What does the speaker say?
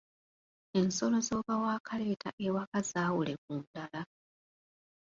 Ensolo z’oba waakaleeta ewaka zaawule ku ndala.